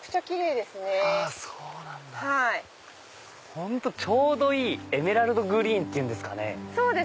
本当ちょうどいいエメラルドグリーンっていうか。